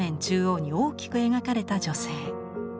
中央に大きく描かれた女性。